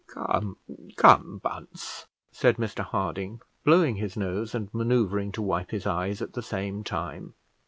"Come, come, Bunce," said Mr Harding, blowing his nose and manoeuvring to wipe his eyes at the same time.